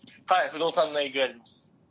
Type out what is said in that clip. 不動産の営業やります。